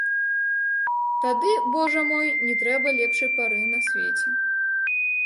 Тады, божа мой, не трэба лепшай пары на свеце.